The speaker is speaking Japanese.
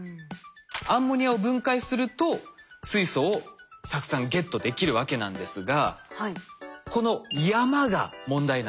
アンモニアを分解すると水素をたくさんゲットできるわけなんですがこの山が問題なんです。